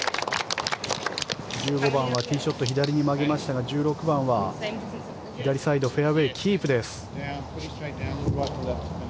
１５番はティーショット左に曲げましたが１６番は左サイドフェアウェーキープです。